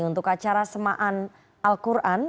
pada saat pengajian di acara semaan al quran